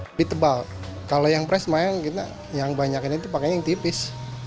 lebih tebal kalau yang pres mayang kita yang banyakin itu pakainya yang tipis